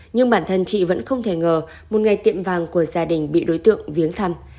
nhưng bản thân chị vẫn không thể ngờ một ngày tiệm vàng của gia đình bị đối tượng viếng thăm